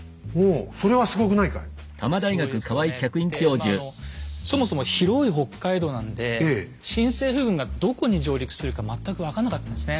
でそもそも広い北海道なんで新政府軍がどこに上陸するか全く分かんなかったんですね。